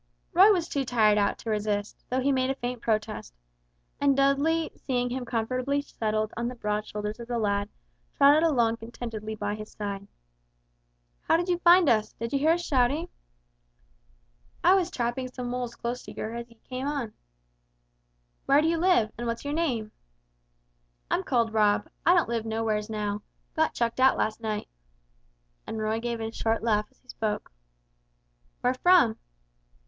Roy was too tired out to resist, though he made a faint protest, and Dudley seeing him comfortably settled on the broad shoulders of the lad, trotted along contentedly by his side. "How did you find us? Did you hear us shouting?" "I was trapping some moles close to yer, as ye came on." "Where do you live? And what's your name?" "I'm called Rob. I don't live nowheres now. Got chucked out last night!" And Rob gave a short laugh as he spoke. "Where from?"